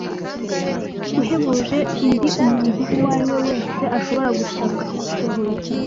uhebuje indi umuntu uwo ari we wese ashobora gusabwa kusohoza